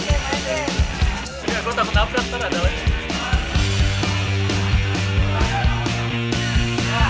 dan kalau kita lihat secara ininya